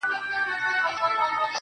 مخ به در واړوم خو نه پوهېږم,